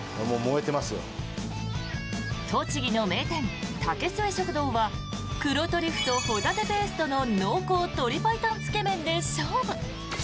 栃木の名店、竹末食堂は黒トリュフと帆立ペーストの濃厚鶏白湯つけ麺で勝負。